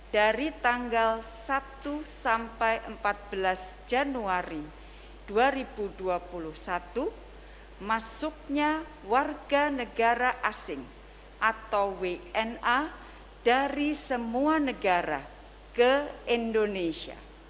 dari tanggal satu sampai empat belas januari dua ribu dua puluh satu masuknya warga negara asing atau wna dari semua negara ke indonesia